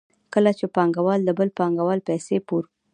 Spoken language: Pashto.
کله چې پانګوال د بل پانګوال پیسې پور کوي